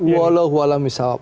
walau walau misal